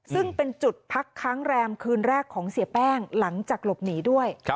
ซึ่งเป็นจุดพักค้างแรมคืนแรกของเสียแป้งหลังจากหลบหนีด้วย